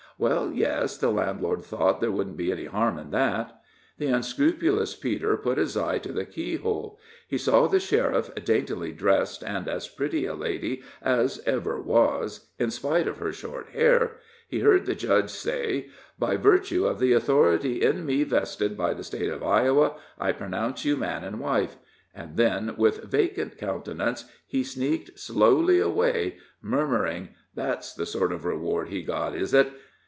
Well, yes; the landlord thought there wouldn't be any harm in that. The unscrupulous Peter put his eye to the keyhole; he saw the sheriff daintily dressed, and as pretty a lady as ever was, in spite of her short hair; he heard the judge say: "By virtue of the authority in me vested by the State of Iowa, I pronounce you man and wife;" and then, with vacant countenance, he sneaked slowly away, murmuring: "That's the sort of reward he got, is it?